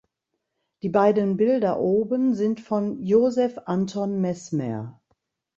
Die beiden Bilder oben sind von Josef Anton Mesmer.